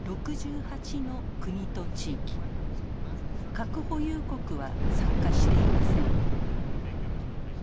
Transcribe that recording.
核保有国は参加していません。